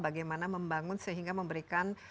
bagaimana membangun sehingga memberikan